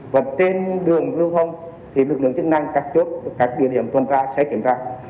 và trên đường lưu thông thì lực lượng chức năng các chỗ các địa điểm toàn ra sẽ kiểm tra